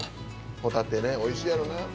ホタテね美味しいやろうな。